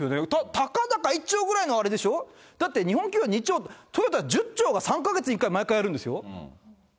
たかだか１兆ぐらいのあれでしょ、だって、日本企業２兆、ということは１０兆が３か月に１回毎回やるんですよ。